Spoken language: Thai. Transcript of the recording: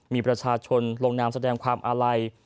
มีประชาชนลงนามแสดงความอาลัย